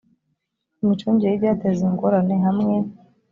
imicungire y ibyateza ingorane hamwe